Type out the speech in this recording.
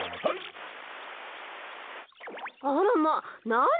あらまあなに？